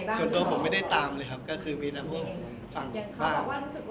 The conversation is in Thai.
ส่วนตัวผมไม่ได้ตามเลยครับก็คือมีแบบฟังบ้าง